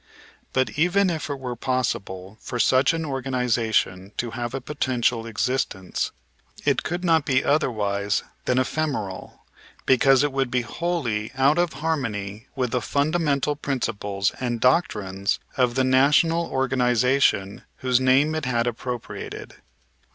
But, even if it were possible for such an organization to have a potential existence, it could not be otherwise than ephemeral, because it would be wholly out of harmony with the fundamental principles and doctrines of the national organization whose name it had appropriated.